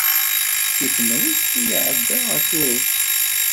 Seg Temrikt ay iɛedda ɣer Tuṛuft.